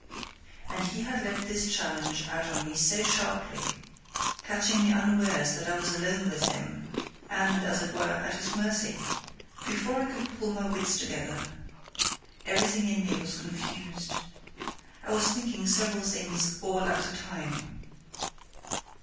And he had let this challenge out on me so sharply, catching me unawares that I was alone with him, and, as it were, at his mercy, before I could pull my wits together. Everything in me was confused. I was thinking several things all at a time.